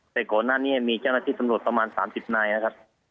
แต่ก่อนหน้านี่มีแจ้สนัทดิประมาณ๓๐นายนะครับ